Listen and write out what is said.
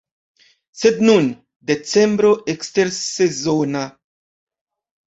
Sed nun, decembro ekstersezona.